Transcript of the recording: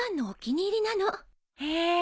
へえ。